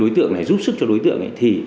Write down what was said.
đối tượng này giúp sức cho đối tượng thì